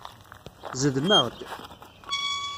Zedmeɣ-d.